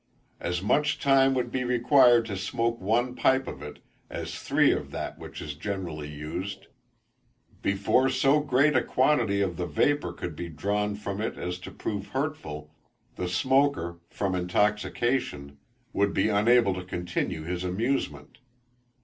As much time would be required to smoke one pipe of it, as three of that which is generally used: before so great a quantity of the vapour could be drawn from it as to prove hurtful, the smoker, from intoxication, would be unable to continue his amusement.